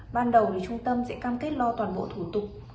ban đầu thì trung tâm sẽ cam kết lo toàn bộ thủ tục